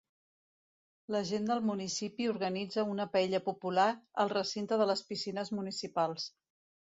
La gent del municipi organitza una paella popular al recinte de les piscines municipals.